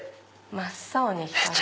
真っ青に光る。